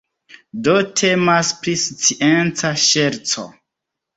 Do temas pri scienca ŝerco.